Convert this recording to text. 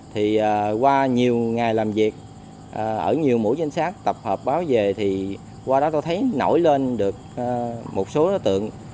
thì qua nhiều ngày làm việc ở nhiều mũi danh sát tập hợp báo về thì qua đó tôi thấy nổi lên được một số đối tượng